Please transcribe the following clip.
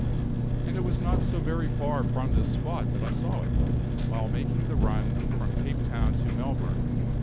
And it was not so very far from this spot that I saw it, while making the run from Cape Town to Melbourne.